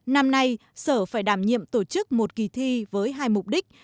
năm nay sở phải đảm nhiệm tổ chức một kỳ thi với hai mục đích